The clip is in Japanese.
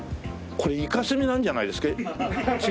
これイカ墨なんじゃないですっけ？